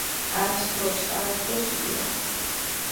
არასდროს არასდროს იტირო